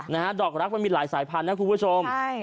นะฮะดอกรักมันมีหลายสายพันธุนะคุณผู้ชมใช่